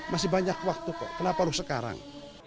masih banyak waktu kok kenapa ruh sekarang